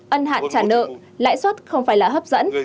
ân hạn trả nợ lãi suất không phải là hấp dẫn